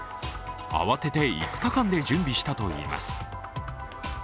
慌てて５日間で準備したといいます